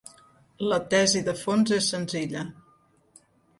La tesi de fons és senzilla.